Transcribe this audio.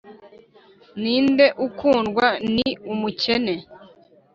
ninde ukundwa, ni umukene?